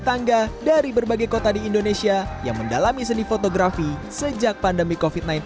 tangga dari berbagai kota di indonesia yang mendalami seni fotografi sejak pandemi kofit sembilan belas